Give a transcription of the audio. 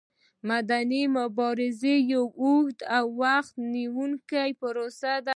مدني مبارزه یوه اوږده او وخت نیوونکې پروسه ده.